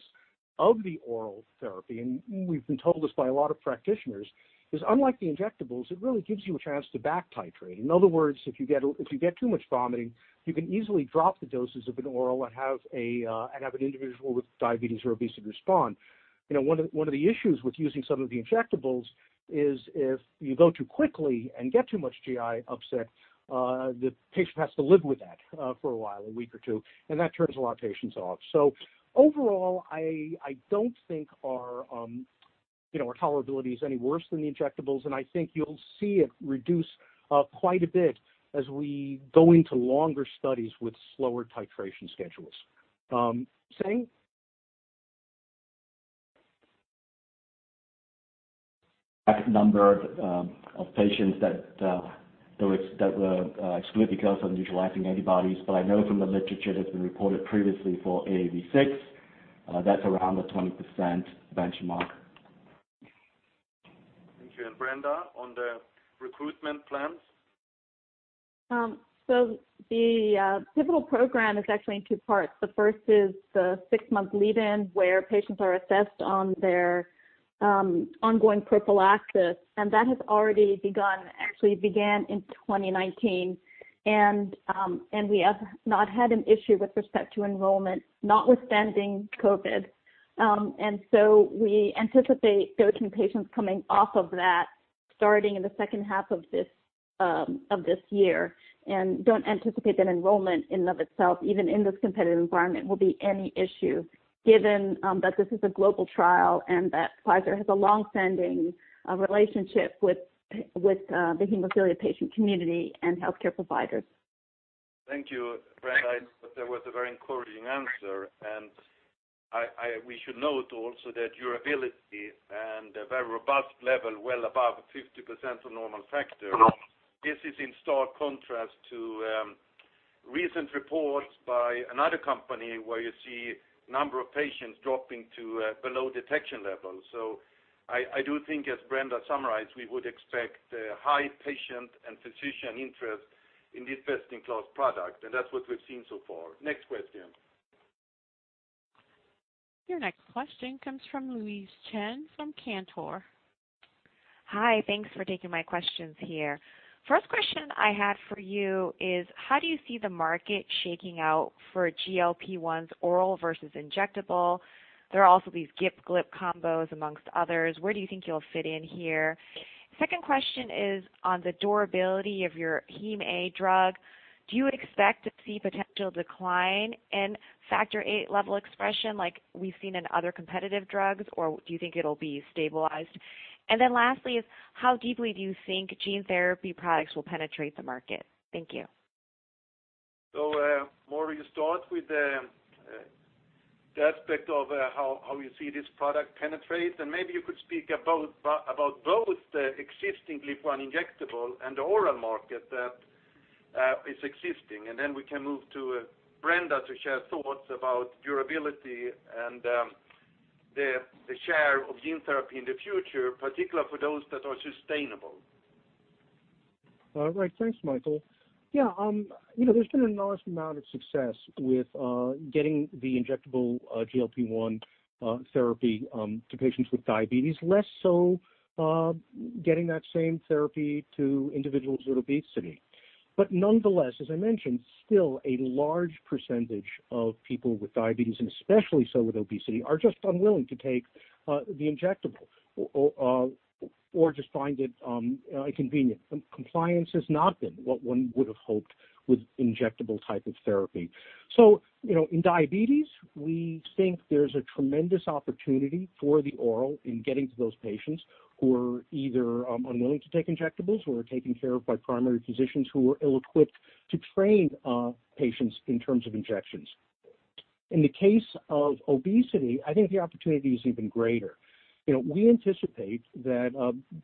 of the oral therapy, and we've been told this by a lot of practitioners, is unlike the injectables, it really gives you a chance to back-titrate. In other words, if you get too much vomiting, you can easily drop the doses of an oral and have an individual with diabetes or obesity respond. One of the issues with using some of the injectables is if you go too quickly and get too much GI upset, the patient has to live with that for a while, a week or two, and that turns a lot of patients off. Overall, I don't think our tolerability is any worse than the injectables, and I think you'll see it reduce quite a bit as we go into longer studies with slower titration schedules. Seng? Number of patients that were excluded because of neutralizing antibodies, but I know from the literature that's been reported previously for AAV6, that's around the 20% benchmark. Thank you. Brenda, on the recruitment plans? The pivotal program is actually in two parts. The first is the six-month lead in where patients are assessed on their ongoing prophylaxis, and that has already begun, actually began in 2019. We have not had an issue with respect to enrollment, notwithstanding COVID. We anticipate coaching patients coming off of that starting in the second half of this year, and don't anticipate that enrollment in and of itself, even in this competitive environment, will be any issue given that this is a global trial and that Pfizer has a long-standing relationship with the hemophilia patient community and healthcare providers. Thank you, Brenda. I thought that was a very encouraging answer. We should note also that durability and a very robust level well above 50% of normal factor. This is in stark contrast to recent reports by another company where you see number of patients dropping to below detection levels. I do think, as Brenda summarized, we would expect high patient and physician interest in this best-in-class product, and that's what we've seen so far. Next question. Your next question comes from Louise Chen from Cantor. Hi. Thanks for taking my questions here. First question I had for you is, how do you see the market shaking out for GLP-1s oral versus injectable? There are also these GIP/GLP combos amongst others. Where do you think you'll fit in here? Second question is on the durability of your heme A drug. Do you expect to see potential decline in Factor VIII level expression like we've seen in other competitive drugs, or do you think it'll be stabilized? Lastly is, how deeply do you think gene therapy products will penetrate the market? Thank you. Mori, start with the aspect of how you see this product penetrate, and maybe you could speak about both the existing GLP-1 injectable and the oral market that is existing. Then we can move to Brenda to share thoughts about durability and the share of gene therapy in the future, particular for those that are sustainable. All right. Thanks, Mikael. There's been an enormous amount of success with getting the injectable GLP-1 therapy to patients with diabetes, less so getting that same therapy to individuals with obesity. Nonetheless, as I mentioned, still a large percentage of people with diabetes, and especially so with obesity, are just unwilling to take the injectable or just find it inconvenient. Compliance has not been what one would have hoped with injectable type of therapy. In diabetes, we think there's a tremendous opportunity for the oral in getting to those patients who are either unwilling to take injectables who are taken care of by primary physicians who are ill-equipped to train patients in terms of injections. In the case of obesity, I think the opportunity is even greater. We anticipate that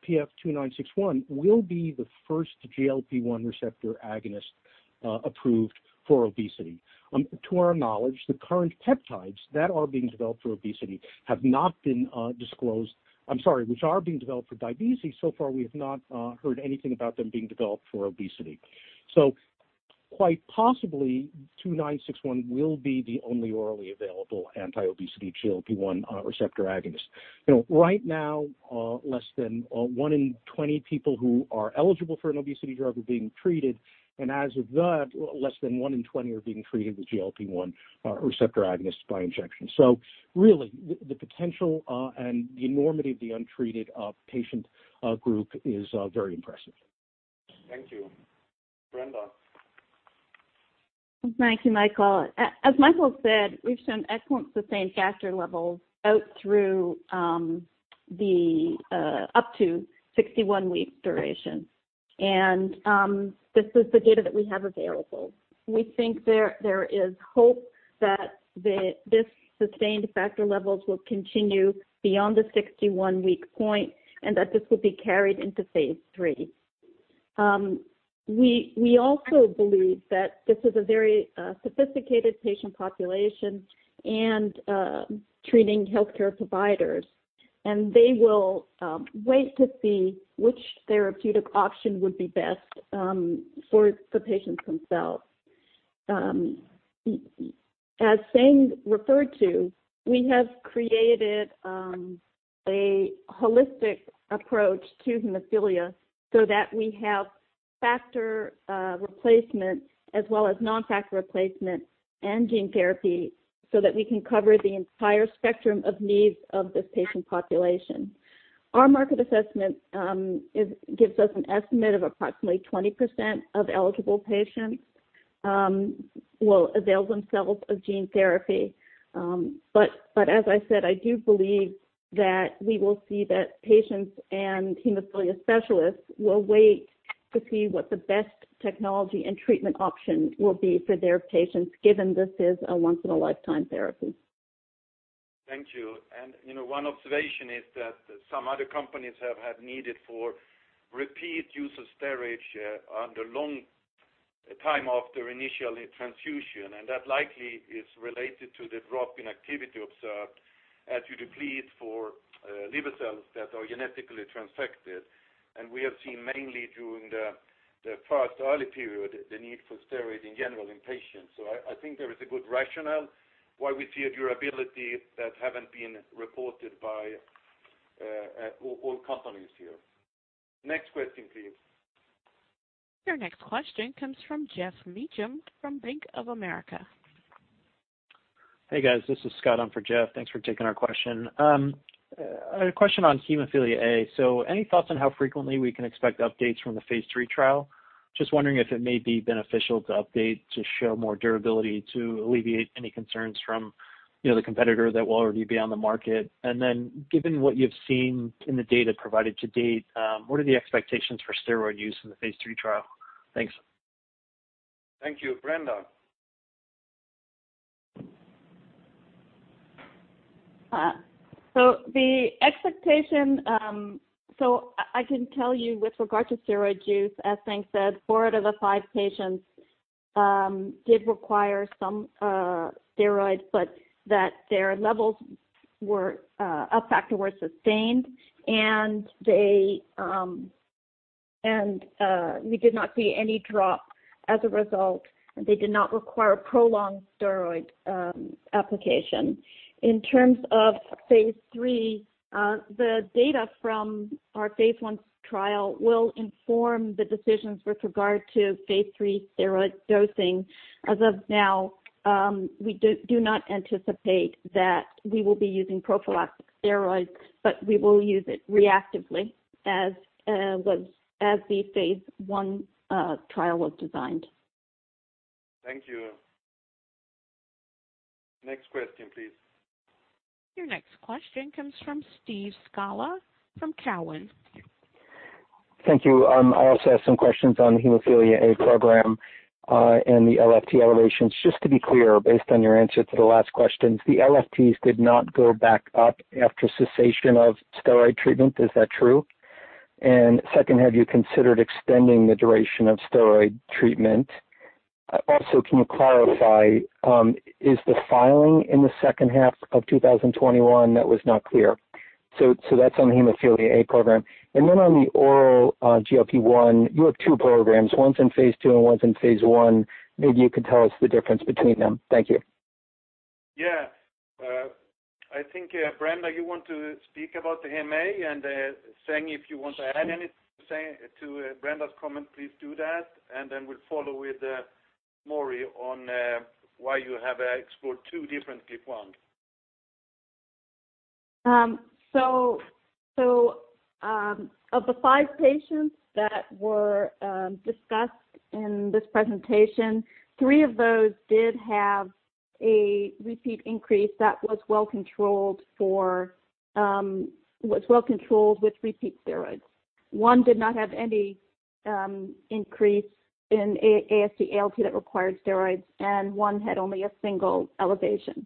PF-2961 will be the first GLP-1 receptor agonist approved for obesity. To our knowledge, the current peptides that are being developed for obesity have not been disclosed I'm sorry, which are being developed for diabetes, so far, we have not heard anything about them being developed for obesity. So quite possibly, PF-2961 will be the only orally available anti-obesity GLP-1 receptor agonist. Right now, less than one in 20 people who are eligible for an obesity drug are being treated, and as of that, less than one in 20 are being treated with GLP-1 receptor agonists by injection. So really, the potential and the enormity of the untreated patient group is very impressive. Thank you. Brenda. Thank you, Mikael. As Mikael said, we've shown excellent sustained factor levels out through up to 61 weeks duration. This is the data that we have available. We think there is hope that this sustained factor levels will continue beyond the 61-week point and that this will phase III. We also believe that this is a very sophisticated patient population and treating healthcare providers and they will wait to see which therapeutic option would be best for the patients themselves. As Seng referred to, we have created a holistic approach to hemophilia so that we have factor replacement as well as non-factor replacement and gene therapy so that we can cover the entire spectrum of needs of this patient population. Our market assessment gives us an estimate of approximately 20% of eligible patients will avail themselves of gene therapy. As I said, I do believe that we will see that patients and hemophilia specialists will wait to see what the best technology and treatment option will be for their patients, given this is a once-in-a-lifetime therapy. Thank you. One observation is that some other companies have had needed for repeat use of steroids under long time after initial transfusion, and that likely is related to the drop in activity observed as you deplete for liver cells that are genetically transfected. We have seen mainly during the first early period, the need for steroids in general in patients. I think there is a good rationale why we see a durability that haven't been reported by all companies here. Next question, please. Your next question comes from Geoff Meacham from Bank of America. Hey, guys. This is Scott on for Geoff. Thanks for taking our question. I had a question on hemophilia A. Any thoughts on how frequently we can expect phase III trial? just wondering if it may be beneficial to update to show more durability to alleviate any concerns from the competitor that will already be on the market. Given what you've seen in the data provided to date, what are the expectations for steroid use phase III trial? thanks. Thank you. Brenda? The expectation, I can tell you with regard to steroid use, as Seng said, four out of the five patients did require some steroids, but that their levels of factor were sustained, and we did not see any drop as a result. They did not require prolonged steroid application. phase III, the data from our phase I trial will inform the decisions phase III steroid dosing. As of now, we do not anticipate that we will be using prophylactic steroids, but we will use it reactively as the phase I trial was designed. Thank you. Next question, please. Your next question comes from Steve Scala from Cowen. Thank you. I also have some questions on the hemophilia A program and the LFT elevations. Just to be clear, based on your answer to the last questions, the LFTs did not go back up after cessation of steroid treatment. Is that true? Second, have you considered extending the duration of steroid treatment? Can you clarify, is the filing in the second half of 2021? That was not clear. That's on the hemophilia A program. On the oral GLP-1, you have two programs, one's phase II and one's in phase I. Maybe you could tell us the difference between them. Thank you. Yeah. I think, Brenda, you want to speak about the hem A and, Seng, if you want to add anything to Brenda's comment, please do that. Then we'll follow with Mori on why you have explored two different GLP-1. Of the five patients that were discussed in this presentation, three of those did have a repeat increase that was well-controlled with repeat steroids. One did not have any increase in AST/ALT that required steroids, and one had only a single elevation.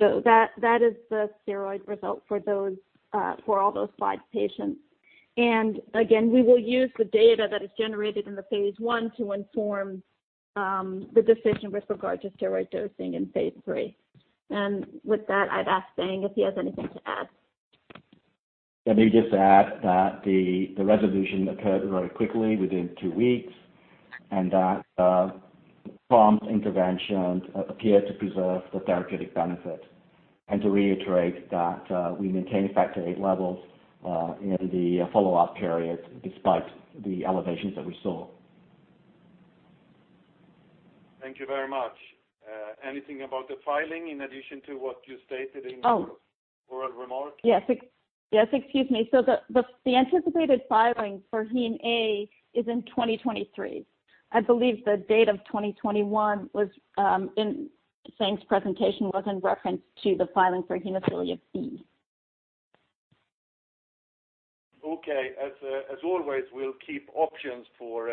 That is the steroid result for all those five patients. Again, we will use the data that is generated in the phase I to inform the decision with regard to phase III. with that, I'd ask Seng if he has anything to add. Let me just add that the resolution occurred very quickly, within two weeks, and that prompt intervention appeared to preserve the therapeutic benefit. To reiterate that we maintained Factor VIII levels in the follow-up period despite the elevations that we saw. Thank you very much. Anything about the filing in addition to what you stated in your oral remarks? Yes. Excuse me. The anticipated filing for hem A is in 2023. I believe the date of 2021 in Seng's presentation was in reference to the filing for hemophilia B. Okay. As always, we'll keep options for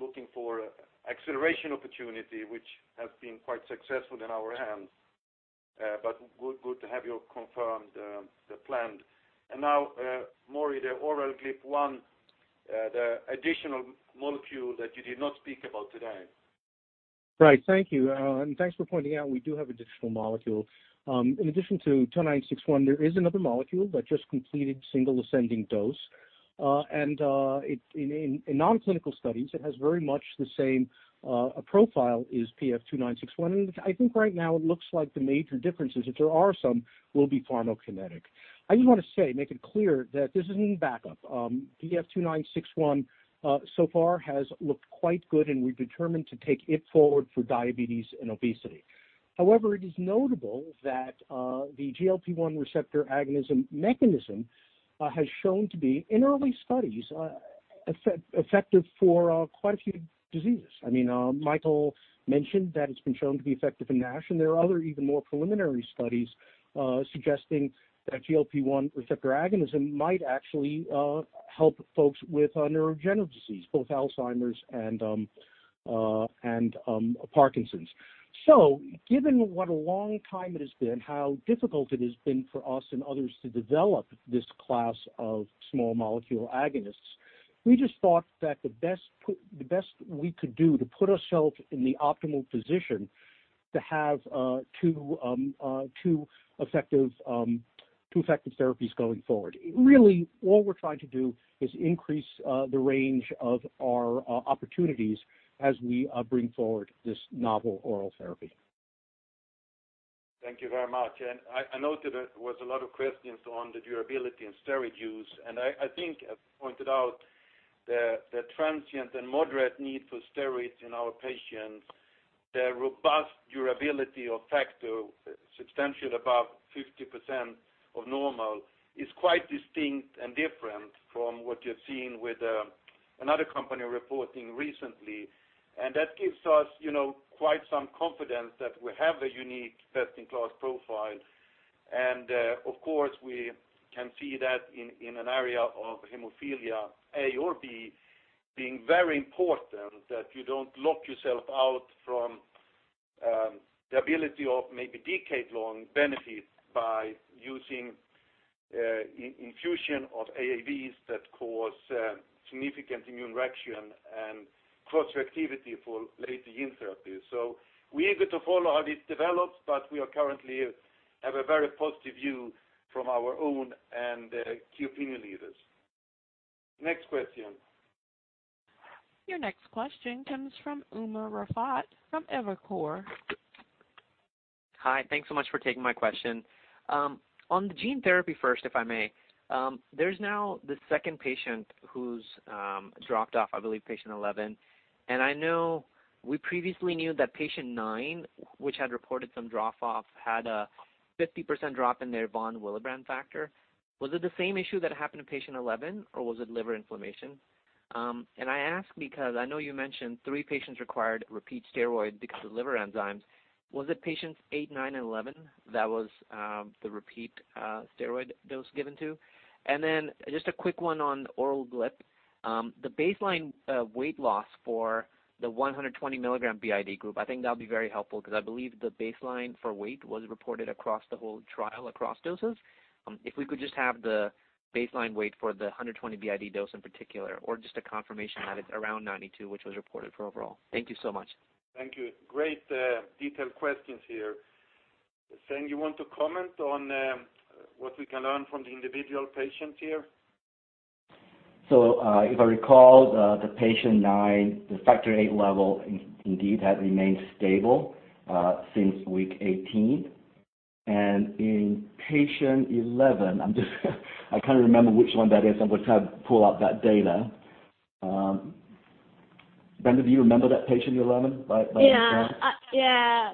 looking for acceleration opportunity, which has been quite successful in our hands. Good to have you confirm the plan. Now, Mori, the oral GLP-1, the additional molecule that you did not speak about today. Right. Thank you. Thanks for pointing out we do have additional molecule. In addition to PF-2961, there is another molecule that just completed single ascending dose. In non-clinical studies, it has very much the same profile as PF-2961. I think right now it looks like the major differences, if there are some, will be pharmacokinetic. I just want to say, make it clear, that this isn't backup. PF-2961 so far has looked quite good, and we're determined to take it forward for diabetes and obesity. However, it is notable that the GLP-1 receptor agonism mechanism has shown to be, in early studies, effective for quite a few diseases. Mikael mentioned that it's been shown to be effective in NASH, and there are other even more preliminary studies suggesting that GLP-1 receptor agonism might actually help folks with neurodegenerative disease, both Alzheimer's and Parkinson's. Given what a long time it has been, how difficult it has been for us and others to develop this class of small molecule agonists, we just thought that the best we could do to put ourselves in the optimal position to have two effective therapies going forward. Really, all we're trying to do is increase the range of our opportunities as we bring forward this novel oral therapy. Thank you very much. I noted there was a lot of questions on the durability and steroid use, and I think I pointed out the transient and moderate need for steroids in our patients. The robust durability of factor, substantial above 50% of normal, is quite distinct and different from what you're seeing with another company reporting recently. That gives us quite some confidence that we have a unique best-in-class profile. Of course, we can see that in an area of hemophilia A or B being very important, that you don't lock yourself out from the ability of maybe decade-long benefit by using infusion of AAVs that cause significant immune reaction and cross-reactivity for later gene therapy. We are eager to follow how this develops, but we currently have a very positive view from our own and key opinion leaders. Next question. Your next question comes from Umer Raffat from Evercore. Hi. Thanks so much for taking my question. On the gene therapy first, if I may. There's now the second patient who's dropped off, I believe patient 11. I know we previously knew that patient nine, which had reported some drop-off, had a 50% drop in their von Willebrand factor. Was it the same issue that happened to patient 11, or was it liver inflammation? I ask because I know you mentioned three patients required repeat steroids because of liver enzymes. Was it patients eight, nine, and 11 that was the repeat steroid dose given to? Just a quick one on oral GLP-1. The baseline weight loss for the 120 mg BID group, I think that'll be very helpful because I believe the baseline for weight was reported across the whole trial, across doses. If we could just have the baseline weight for the 120 BID dose in particular or just a confirmation that it is around 92, which was reported for overall. Thank you so much. Thank you. Great detailed questions here. Seng, you want to comment on what we can learn from the individual patient here? If I recall, the patient nine, the Factor VIII level indeed had remained stable since week 18. In patient 11, I can't remember which one that is. I would have to pull up that data. Brenda, do you remember that patient 11 by any chance? Yeah.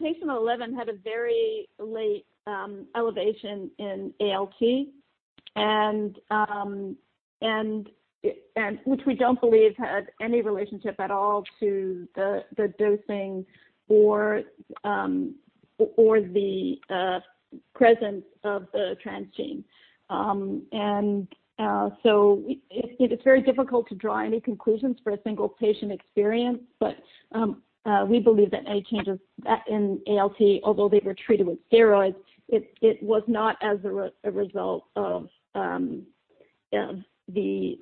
Patient 11 had a very late elevation in ALT, which we don't believe had any relationship at all to the dosing or the presence of the transgene. It is very difficult to draw any conclusions for a single patient experience. We believe that any changes in ALT, although they were treated with steroids, it was not as a result of the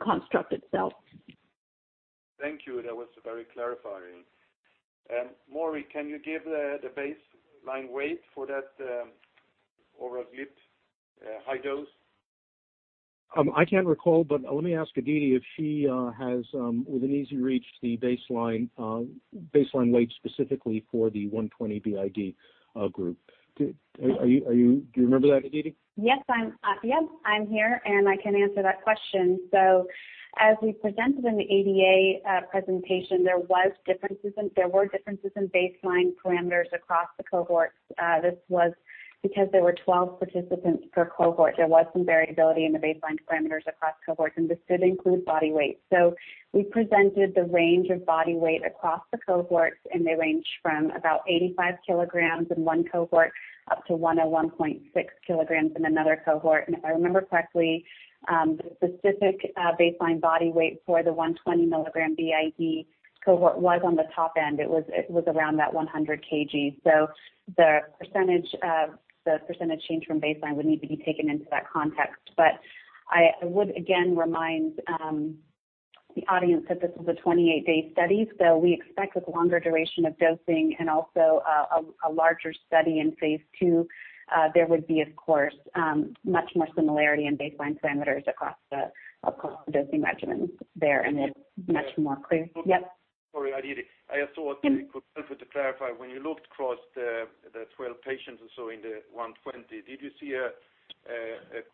construct itself. Thank you. That was very clarifying. Mori, can you give the baseline weight for that oral GLP-1 high dose? I can't recall, but let me ask Aditi if she has within easy reach the baseline weight specifically for the 120 BID group. Do you remember that, Aditi? Yes, I'm here, and I can answer that question. As we presented in the ADA presentation, there were differences in baseline parameters across the cohorts. This was because there were 12 participants per cohort. There was some variability in the baseline parameters across cohorts, and this did include body weight. We presented the range of body weight across the cohorts, and they range from about 85 kg in one cohort up to 101.6 kg in another cohort. If I remember correctly, the specific baseline body weight for the 120 mg BID cohort was on the top end. It was around that 100 kg. The percentage change from baseline would need to be taken into that context. I would again remind the audience that this was a 28-day study. We expect with longer duration of dosing and also a larger study phase II, there would be, of course, much more similarity in baseline parameters across the dosing regimens there, and it's much more clear. Yep. Sorry, Aditi. I just thought it could help you to clarify. When you looked across the 12 patients or so in the 120, did you see a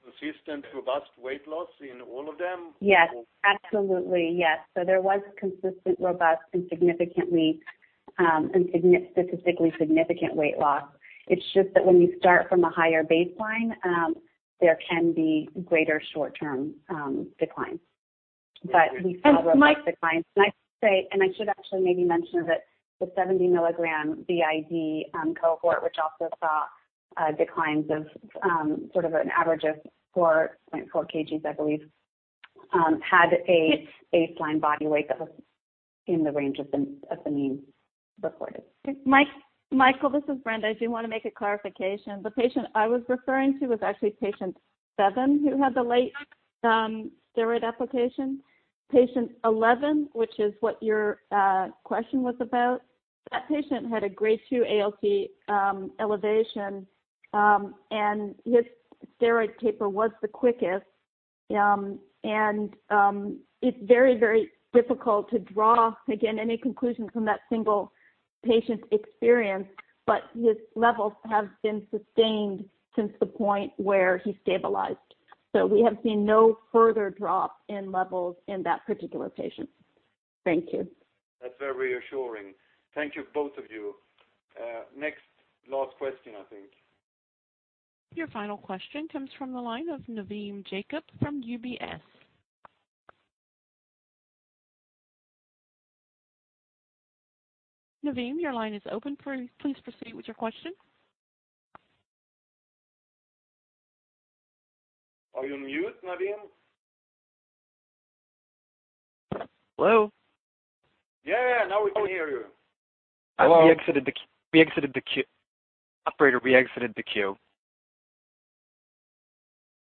consistent, robust weight loss in all of them? Yes. Absolutely, yes. There was consistent, robust, and statistically significant weight loss. It's just that when you start from a higher baseline, there can be greater short-term declines. We saw robust declines. I should actually maybe mention that the 70 mg BID cohort, which also saw declines of sort of an average of 4.4 kg, I believe, had a baseline body weight that was in the range of the mean recorded. Mikael, this is Brenda. I do want to make a clarification. The patient I was referring to was actually patient seven who had the late steroid application. Patient 11, which is what your question was about, that patient had a Grade 2 ALT elevation, and his steroid taper was the quickest. It's very difficult to draw, again, any conclusions from that single patient's experience, but his levels have been sustained since the point where he stabilized. We have seen no further drop in levels in that particular patient. Thank you. That's very reassuring. Thank you, both of you. Next, last question, I think. Your final question comes from the line of Navin Jacob from UBS. Navin, your line is open. Please proceed with your question. Are you on mute, Navin? Hello? Yeah, now we can hear you. Hello. We exited the queue. Operator, we exited the queue.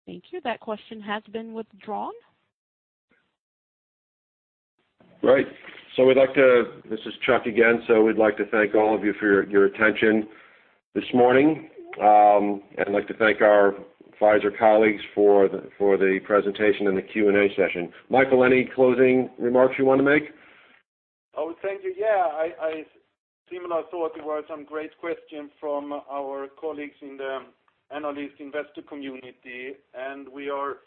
Thank you. That question has been withdrawn. Great. This is Chuck again. We'd like to thank all of you for your attention this morning. I'd like to thank our Pfizer colleagues for the presentation and the Q&A session. Mikael, any closing remarks you want to make? I would thank you. Yeah. Similar thought. There were some great questions from our colleagues in the analyst investor community, and we are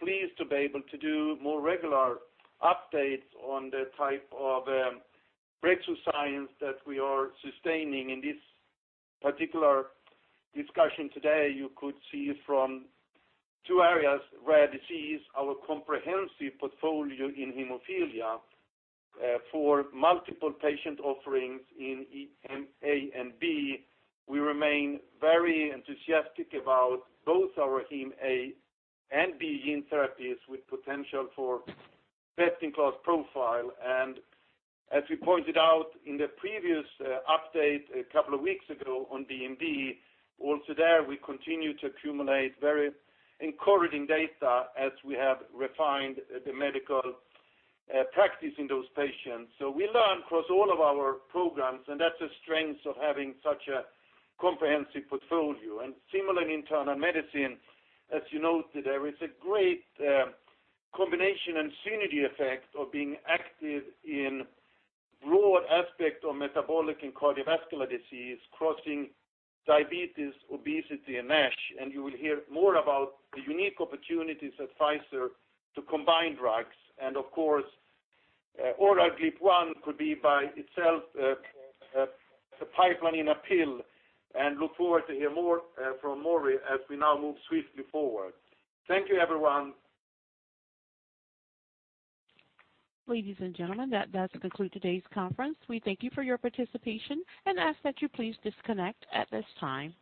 pleased to be able to do more regular updates on the type of breakthrough science that we are sustaining. In this particular discussion today, you could see from two areas, rare disease, our comprehensive portfolio in hemophilia for multiple patient offerings in A and B. We remain very enthusiastic about both our Hem A and B gene therapies with potential for best-in-class profile. As we pointed out in the previous update a couple of weeks ago on DMD, also there, we continue to accumulate very encouraging data as we have refined the medical practice in those patients. We learn across all of our programs, and that's a strength of having such a comprehensive portfolio. Similarly in internal medicine, as you noted, there is a great combination and synergy effect of being active in broad aspects of metabolic and cardiovascular disease, crossing diabetes, obesity, and NASH. You will hear more about the unique opportunities at Pfizer to combine drugs. Of course, oral GLP-1 could be by itself a pipeline in a pill. Look forward to hear more from Mori as we now move swiftly forward. Thank you, everyone. Ladies and gentlemen, that does conclude today's conference. We thank you for your participation and ask that you please disconnect at this time.